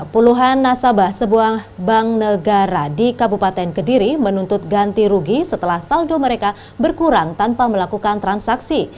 puluhan nasabah sebuah bank negara di kabupaten kediri menuntut ganti rugi setelah saldo mereka berkurang tanpa melakukan transaksi